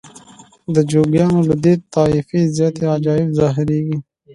د جوګیانو له دې طایفې زیاتې عجایب ظاهریږي.